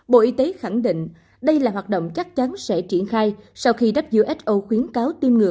bộ y tế khẳng định đây là hoạt động chắc chắn sẽ triển khai sau khi who khuyến cáo tiêm ngừa